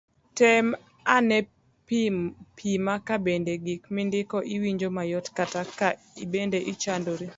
tem ane pima ka bende gik mindiko iwinjo mayot kata ka in bende ichandori